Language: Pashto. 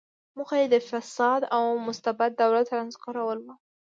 موخه یې د فاسد او مستبد دولت رانسکورول و.